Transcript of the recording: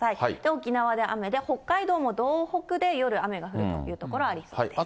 沖縄は雨で、北海道も、道北で夜、雨が降るという所がありそうです。